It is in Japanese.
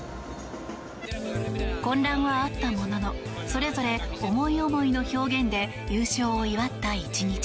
混乱はあったもののそれぞれ思い思いの表現で優勝を祝った１日。